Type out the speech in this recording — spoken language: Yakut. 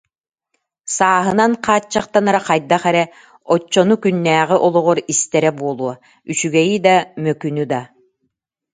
Сааһынан хааччахтанара хайдах эрэ, оччону күннээҕи олоҕор истэрэ буолуо, үчүгэйи да, мөкүнү да,